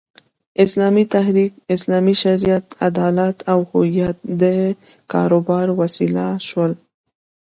اسلامي تحریک، اسلامي شریعت، عدالت او هویت د کاروبار وسیله شول.